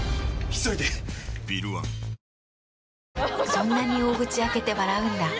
そんなに大口開けて笑うんだ。